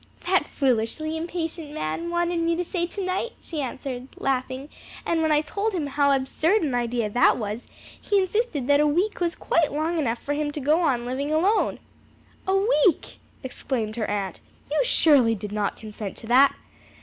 "That foolishly impatient man wanted me to say to night," she answered, laughing, "and when I told him how absurd an idea that was, he insisted that a week was quite long enough for him to go on living alone." "A week!" exclaimed her aunt. "You surely did not consent to that?"